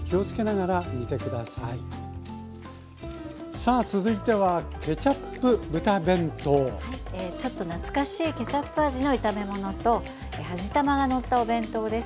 さあ続いてはちょっと懐かしいケチャップ味の炒め物と味玉がのったお弁当です。